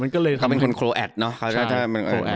เขาเป็นคนโครแอดเนอะ